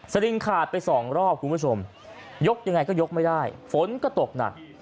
ลิงขาดไปสองรอบคุณผู้ชมยกยังไงก็ยกไม่ได้ฝนก็ตกหนัก